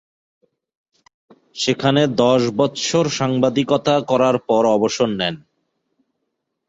সেখানে দশ বৎসর সাংবাদিকতা করার পর অবসর নেন।